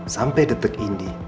sampai detik ini